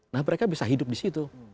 nah mereka bisa hidup di situ